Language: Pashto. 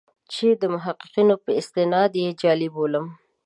چې د محققینو په استناد یې جعلي بولم.